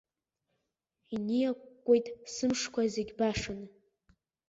Иниакәкәеит сымшқәа зегь башан!